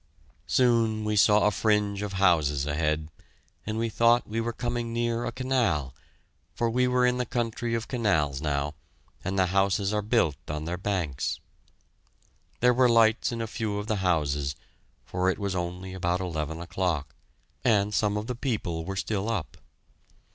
Soon we saw a fringe of houses ahead, and we thought we were coming near a canal, for we were in the country of canals now, and the houses are built on their banks. There were lights in a few of the houses, for it was only about eleven o'clock, and some of the people were still up.